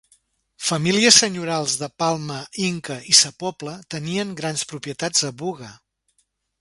Famílies senyorials de Palma, Inca, i Sa Pobla tenien grans propietats a Búger.